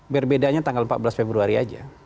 berbedanya tanggal empat belas februari aja